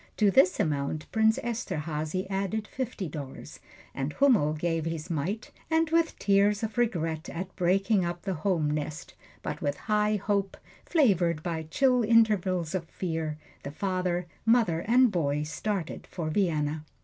To this amount Prince Esterhazy added fifty dollars, and Hummel gave his mite, and with tears of regret at breaking up the home nest, but with high hope, flavored by chill intervals of fear, the father, mother and boy started for Vienna.